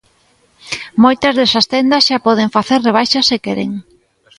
Moitas desas tendas xa poden facer rebaixas se queren.